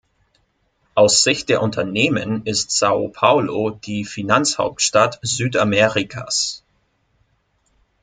Aus Sicht der Unternehmen ist Sao Paolo die Finanzhauptstadt Südamerikas.